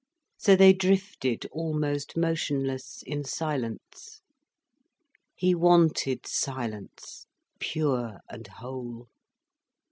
So they drifted almost motionless, in silence. He wanted silence, pure and whole.